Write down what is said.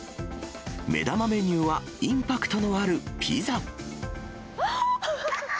目玉メニューは、インパクトのあるピザ。